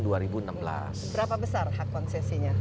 berapa besar hak konsesinya